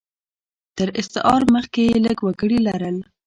تر استعمار مخکې یې لږ وګړي لرل.